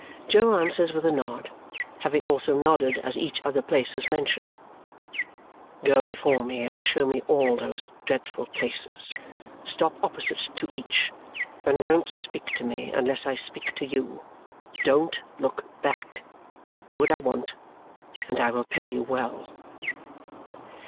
Jo answers with a nod, having also nodded as each other place was mentioned. "Go before me and show me all those dreadful places. Stop opposite to each, and don't speak to me unless I speak to you. Don't look back. Do what I want, and I will pay you well."